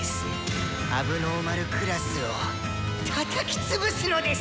問題児クラスをたたき潰すのです！」。